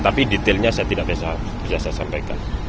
tapi detailnya saya tidak bisa saya sampaikan